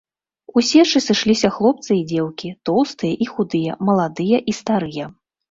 У сечы сышліся хлопцы і дзеўкі, тоўстыя і худыя, маладыя і старыя.